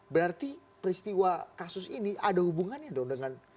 berarti peristiwa kasus ini ada hubungannya dong dengan